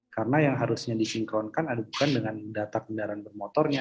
karena yang harusnya disinkronkan bukan dengan data kendaraan bermotornya